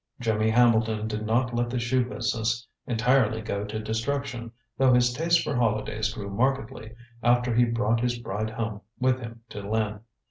Jimmy Hambleton did not let the shoe business entirely go to destruction, though his taste for holidays grew markedly after he brought his bride home with him to Lynn.